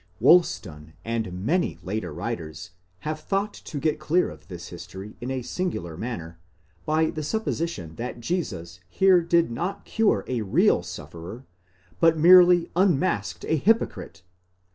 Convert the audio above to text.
Woolston 17 and many later writers have thought to get clear of this history in a singular manner, by the supposition that Jesus here did not cure areal sufferer but merely unmasked a hypocrite..